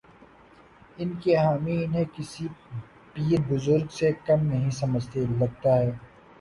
ان کے حامی انہیں کسی پیر بزرگ سے کم نہیں سمجھتے، لگتا ہے۔